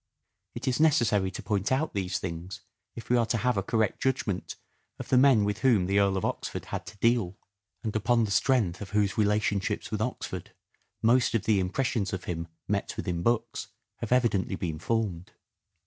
It is necessary to point out these things if we are to have a correct judgment of the men with whom the Earl of Oxford had to deal, and upon the strength of whose relation ships with Oxford most of the impressions of him met with in books have evidently been formed.